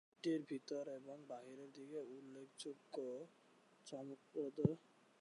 মসজিদটির ভিতর এবং বাহিরের দিকে উল্লেখযোগ্য চমকপ্রদ নকশায় সজ্জিত।